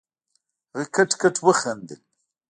هغه کټ کټ وخندل.